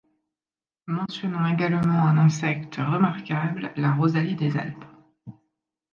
Mentionnons également un insecte remarquable, la Rosalie des Alpes.